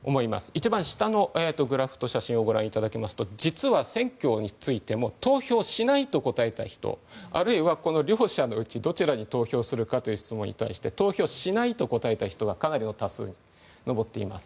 一番下のグラフと写真をご覧いただきますと実は、選挙についても投票しないと答えた人あるいは両者のうちどちらに投票するかという質問に対して投票しないと答えた人がかなりの多数に上っています。